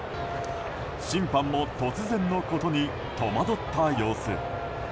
審判も突然のことに戸惑った様子。